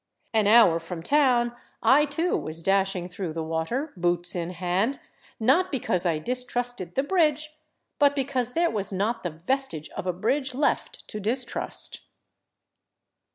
An hour from town I, too, was dashing through the water, boots in hand, not because I distrusted the bridge, but because there was not the ves tige of a bridge left to distrust.